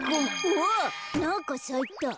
おなんかさいた。